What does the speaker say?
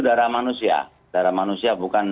darah manusia darah manusia bukan